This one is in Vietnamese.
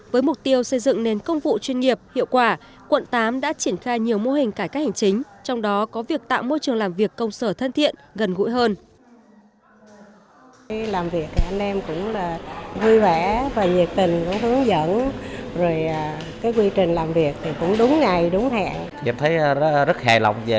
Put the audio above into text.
với mục tiêu xây dựng nền công vụ chuyên nghiệp hiệu quả quận tám đã triển khai nhiều mô hình cải cách hành chính trong đó có việc tạo môi trường làm việc công sở thân thiện gần gũi hơn